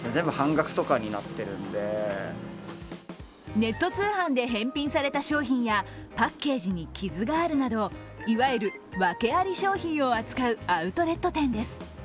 ネット通販で返品された商品やパッケージに傷があるなどいわゆるワケあり商品を扱うアウトレット店です。